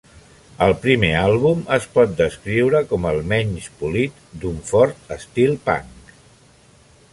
El primer àlbum es pot descriure com el menys polit, d'un fort estil punk.